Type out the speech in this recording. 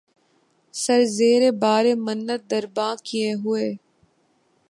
سر زیرِ بارِ منت درباں کیے ہوئے